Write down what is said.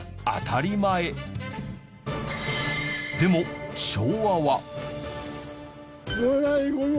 でも昭和は。